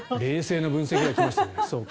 冷静な分析が来ましたね。